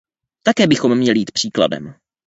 Také bychom měli jít příkladem.